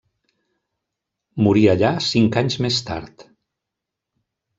Morí allà cinc anys més tard.